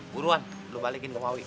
buruan lo balikin ke mawi